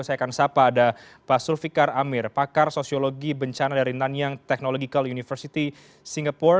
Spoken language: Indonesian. saya akan sapa ada pak sulfikar amir pakar sosiologi bencana dari nanyang technological university singapore